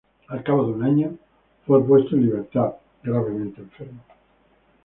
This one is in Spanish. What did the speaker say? Al cabo de un año fue puesto en libertad, gravemente enfermo.